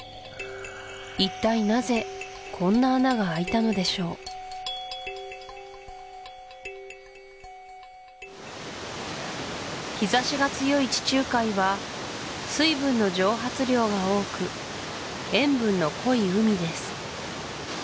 一体なぜこんな穴が開いたのでしょう日差しが強い地中海は水分の蒸発量が多く塩分の濃い海です